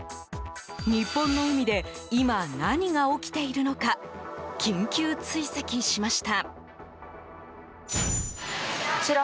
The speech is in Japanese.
日本の海で今、何が起きているのか緊急追跡しました。